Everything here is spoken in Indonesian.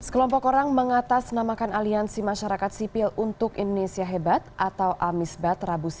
sekelompok orang mengatasnamakan aliansi masyarakat sipil untuk indonesia hebat atau amisbat rabusi